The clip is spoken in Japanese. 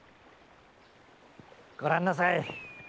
ご覧なさい。